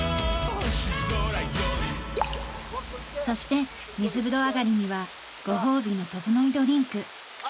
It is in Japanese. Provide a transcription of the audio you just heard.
そしてみず風呂上がりにはご褒美のととのいドリンク。